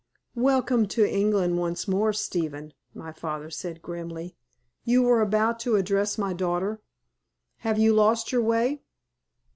"Welcome to England once more, Stephen," my father said, grimly. "You were about to address my daughter. Have you lost your way?"